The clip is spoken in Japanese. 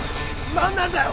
何なんだよ？